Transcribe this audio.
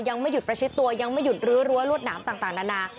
ยังไม่หยุดประชิดตัวยังไม่หยุดรื้อรั้วรวดหนามต่างนานา